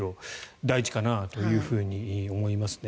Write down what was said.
大事かなと思いますね。